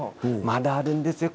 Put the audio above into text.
まだあるんですよ。